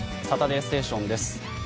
「サタデーステーション」です。